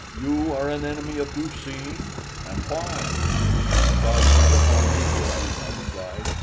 "You are an enemy of Du seen? And why?" "Because he would harm Ajor," I replied.